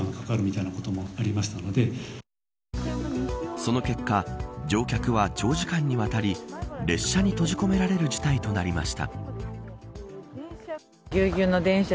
その結果乗客は長時間にわたり列車に閉じ込められる事態となりました。